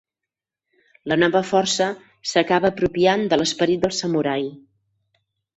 La nova força s'acaba apropiant de l'esperit del samurai.